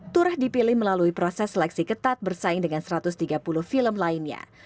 turah dipilih melalui proses seleksi ketat bersaing dengan satu ratus tiga puluh film lainnya